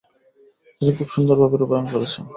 তিনি খুব সুন্দর ভাবে রূপায়ন করেছেন।